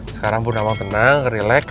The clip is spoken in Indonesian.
sekarang bunda awang tenang relax